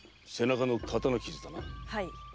はい。